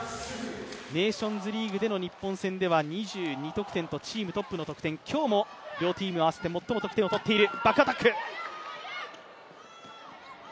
ネーションズリーグでの日本戦では２２得点とチームトップの得点、今日も両チーム合わせて最も得点を取っている。